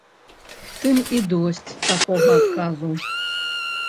Тым і досць такога адказу.